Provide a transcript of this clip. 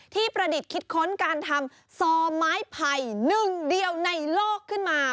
ประดิษฐ์คิดค้นการทำซอไม้ไผ่หนึ่งเดียวในโลกขึ้นมา